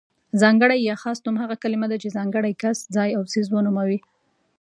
ځانګړی يا خاص نوم هغه کلمه ده چې ځانګړی کس، ځای او څیز ونوموي.